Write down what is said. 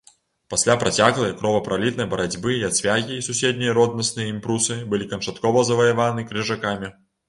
Пасля працяглай кровапралітнай барацьбы яцвягі і суседнія роднасныя ім прусы былі канчаткова заваяваны крыжакамі.